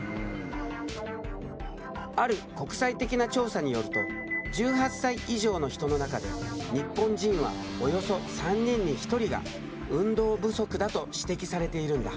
ある国際的な調査によると１８歳以上の人の中で日本人はおよそ３人に１人が運動不足だと指摘されているんだ。